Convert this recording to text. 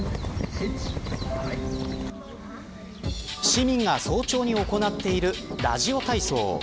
市民が早朝に行っているラジオ体操。